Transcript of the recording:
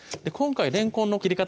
今回れんこんの切り方